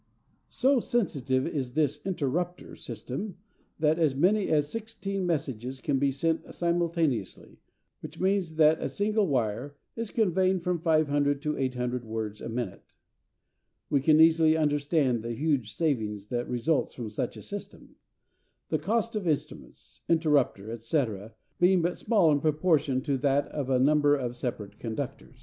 So sensitive is this "interrupter" system that as many as sixteen messages can be sent simultaneously, which means that a single wire is conveying from 500 to 800 words a minute. We can easily understand the huge saving that results from such a system; the cost of instruments, interrupter, &c., being but small in proportion to that of a number of separate conductors.